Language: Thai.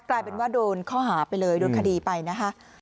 กลายเป็นว่าโดนข้อหาไปเลยโดนคดีไปนะคะ